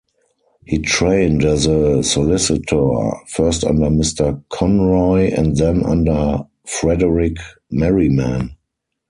He trained as a solicitor, first under Mr Conroy and then under Frederick Merriman.